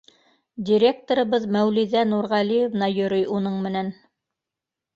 Директорыбыҙ Мәүлиҙә Нурғәлиевна йөрөй уның менән.